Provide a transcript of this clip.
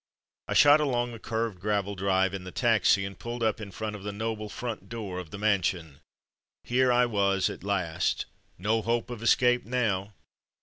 I shot along the curved gravel drive in the taxi, and pulled up in front of the noble front door of the mansion. Here 42 From Mud to Mufti I was at last — no hope of escape now.